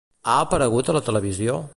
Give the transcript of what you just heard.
Ha aparegut a la televisió?